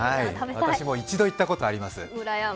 私も１度、行ったことあります。